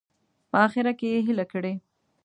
په اخره کې یې هیله کړې.